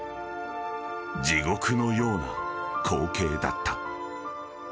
［地獄のような光景だった］